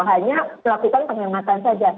hanya melakukan penghematan saja